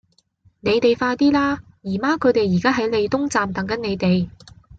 你哋快啲啦!姨媽佢哋而家喺利東站等緊你哋